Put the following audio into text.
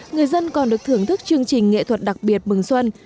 người dân còn được thưởng thức chương trình nghệ thuật đặc biệt mừng xuân